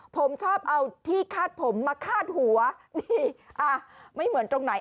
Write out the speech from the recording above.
ผมชอบเอาที่คาดผมมาคาดหัวนี่อ่ะไม่เหมือนตรงไหน